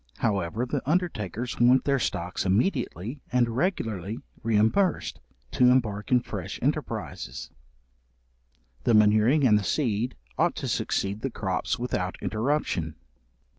However, the undertakers want their stocks immediately and regularly reimbursed, to embark in fresh enterprises: the manuring and the seed ought to succeed the crops without interruption.